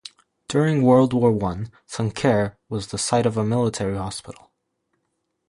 During World War One, Sancerre was the site of a military hospital.